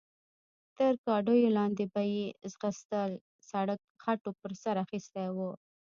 تر ګاډیو لاندې به یې ځغستل، سړک خټو پر سر اخیستی و.